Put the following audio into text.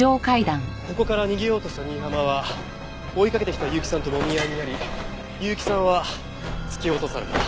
ここから逃げようとした新浜は追いかけてきた結城さんともみ合いになり結城さんは突き落とされた。